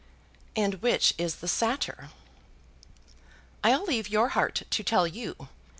"And which is the Satyr?" "I'll leave your heart to tell you.